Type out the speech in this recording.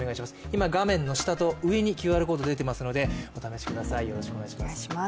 今、画面の下と上にＱＲコードが出ていますのでお試しください。